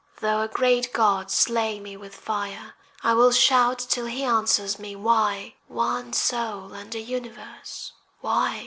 Though a great God slay me with fire I will shout till he answer me. Why? (One soul and a Universe, why?)